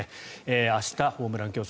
明日、ホームラン競争。